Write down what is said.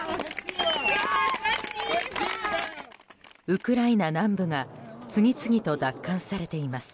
ウクライナ南部が次々と奪還されています。